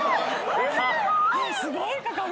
・すごい。